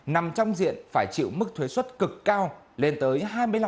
nằm trong diện phải chịu mức thuế xuất cực cao lên tới hai mươi năm